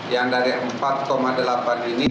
yang dari empat delapan ini